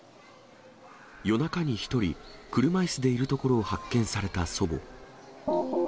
夜中に１人、車いすでいるところを発見された祖母。